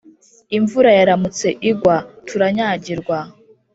imvura yaramutse igwa turanyagirwa